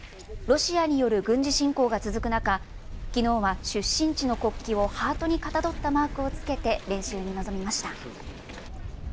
ロシアによる軍事侵攻が続く中、きのうは出身地の国旗をハートにかたどったマークをつけて練習に臨みました。